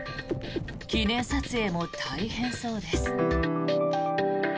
記念撮影も大変そうです。